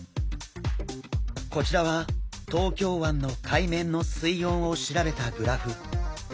こちらは東京湾の海面の水温を調べたグラフ。